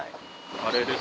あれです。